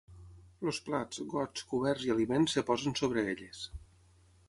Els plats, gots, coberts i aliments es posen sobre elles.